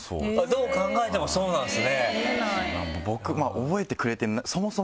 どう考えてもそうなんですね。